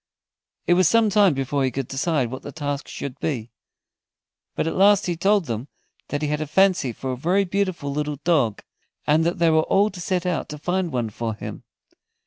It was some time before he could decide what the task should be. But at last he told them that he had a fancy for a very beautiful little dog, and that they were all to set out to find one for him.